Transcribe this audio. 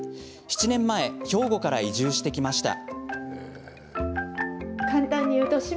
７年前、兵庫から移住してきました。